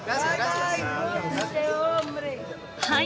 はい。